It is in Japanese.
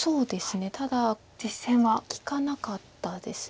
ただ利かなかったです。